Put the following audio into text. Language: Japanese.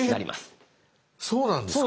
え⁉そうなんですか？